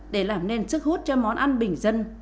để làm nên sức hút cho món ăn bình dân